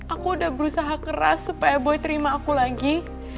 aku udah berusaha keras supaya boy terima aku lagi